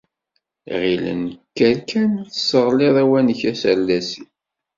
Ɣillen kker kan tesseɣliḍ awanek aserdasi!